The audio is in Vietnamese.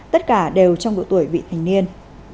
tất cả đều trong độ tuổi vị thành niên